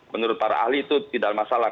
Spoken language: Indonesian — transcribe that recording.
menurut para ahli itu tidak ada masalah